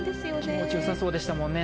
気持ち良さそうでしたもんね